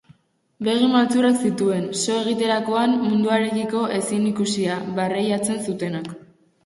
Begi maltzurrak zituen, so egiterakoan munduarekiko ezinikusia barreiatzen zutenak.